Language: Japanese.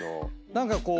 何かこう。